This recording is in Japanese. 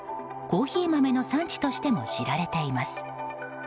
コーヒー豆の産地としても知られています。